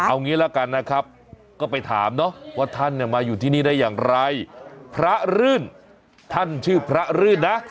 เอางี้ละกันนะครับก็ไปถามเนาะว่าท่านมาอยู่ที่นี่ได้อย่างไรพระรื่นท่านชื่อพระรื่นนะ